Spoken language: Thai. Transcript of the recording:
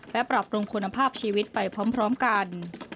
และปรับปรุงคุณภาพชีวิตไปพร้อมกัน